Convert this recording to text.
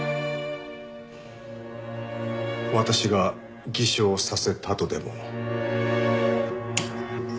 私が偽証させたとでも？